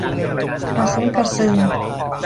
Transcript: กระเซอะกระเซิง